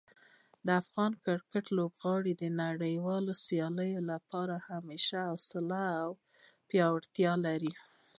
د افغان کرکټ لوبغاړي د نړیوالو سیالیو لپاره همیش حوصله او پیاوړتیا لري.